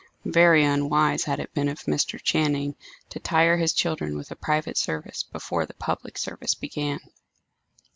Very unwise had it been of Mr. Channing, to tire his children with a private service before the public service began.